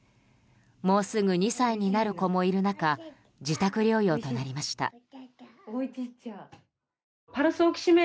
もうすぐ２歳になる子もいる中自宅療養となりました。